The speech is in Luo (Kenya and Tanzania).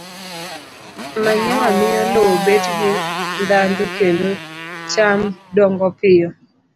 Manyiwa miyo lowo bet gi ndhadhu kendo cham dongo piyo.